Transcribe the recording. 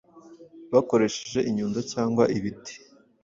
bakoresheje inyundo cyangwa ibiti